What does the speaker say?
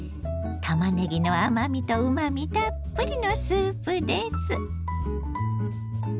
たまねぎの甘みとうまみたっぷりのスープです。